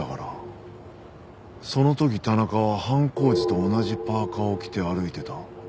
その時田中は犯行時と同じパーカを着て歩いてた。